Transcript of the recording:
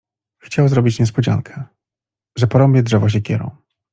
Chciał zrobić niespodziankę: że porąbie drzewo siekierą.